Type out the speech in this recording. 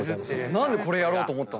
何でこれやろうと思った？